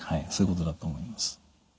そういうことだと思います。